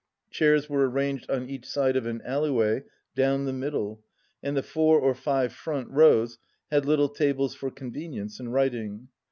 Chairs were arranged on each side of an alleyway down the middle, and the four or five front rows had little tables for convenience in writing.